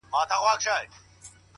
سترگه وره انجلۍ بيا راته راگوري،